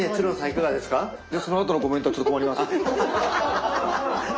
そのあとのコメントはちょっと困ります。